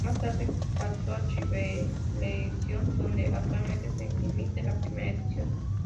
Más tarde, pasó a Chilevisión, donde actualmente se emite la primera edición.